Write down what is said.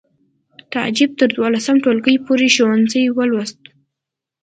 تعجب تر دولسم ټولګي پورې ښوونځی ولوست